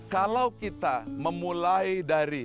kalau kita memulai dari